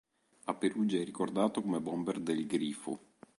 A Perugia è ricordato come bomber del "Grifo".